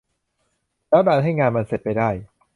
แล้วดันให้งานมันเสร็จไปได้